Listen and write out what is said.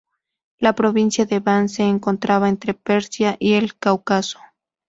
La provincia de Van se encontraba entre Persia y el Cáucaso.